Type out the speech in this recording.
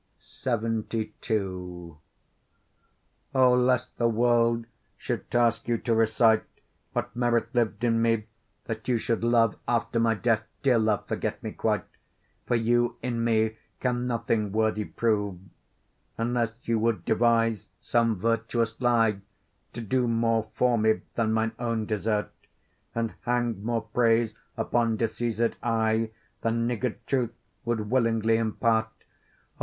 LXXII O! lest the world should task you to recite What merit lived in me, that you should love After my death, dear love, forget me quite, For you in me can nothing worthy prove; Unless you would devise some virtuous lie, To do more for me than mine own desert, And hang more praise upon deceased I Than niggard truth would willingly impart: O!